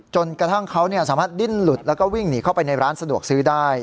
จนกระทั่งเขาสามารถดิ้นหลุดแล้วก็วิ่งหนีเข้าไปในร้านสะดวกซื้อได้